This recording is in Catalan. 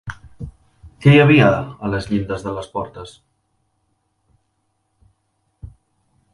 Què hi havia a les llindes de les portes?